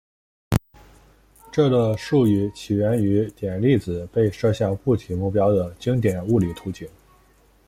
这个术语起源于点粒子被射向固体目标的经典物理图景。